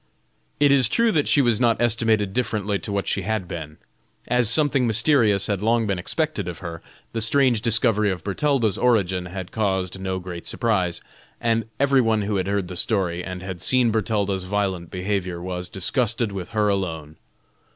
It is true that she was not estimated differently to what she had been. As something mysterious had long been expected of her, the strange discovery of Bertalda's origin had caused no great surprise, and every one who had heard the story and had seen Bertalda's violent behavior, was disgusted with her alone.